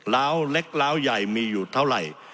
เล็กแล้วใหญ่มีอยู่เท่าไร